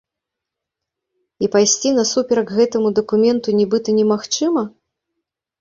І пайсці насуперак гэтаму дакументу нібыта немагчыма?